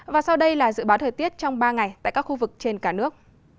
và sau đây là dự báo thời tiết trong ba ngày tại các khu vực trên cả nước